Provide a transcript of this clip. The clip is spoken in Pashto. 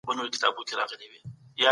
که ته ریښتیا وایې نو ارمان ته به ورسېږې.